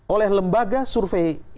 oleh lembaga survei indonesia